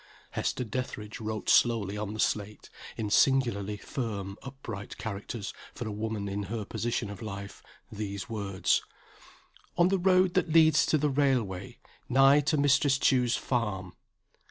Hester Dethridge wrote slowly on the slate, in singularly firm upright characters for a woman in her position of life, these words: "On the road that leads to the railway. Nigh to Mistress Chew's Farm."